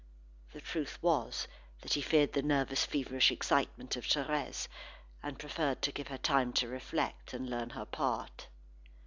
The truth was that he feared the nervous feverish excitement of Thérèse, and preferred to give her time to reflect, and learn her part.